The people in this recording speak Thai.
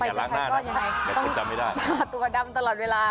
แต่อย่าล้างหน้านะตัวดำตลอดเวลา